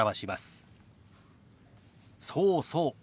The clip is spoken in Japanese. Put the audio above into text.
そうそう。